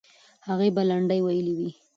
هغې به لنډۍ ویلې وي.